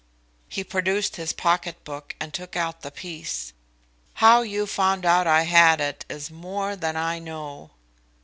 He produced his pocket book and took out the piece. "How you found out I had it, is more than I know."